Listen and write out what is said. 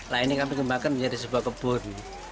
nah ini kami kembangkan menjadi sebuah kebun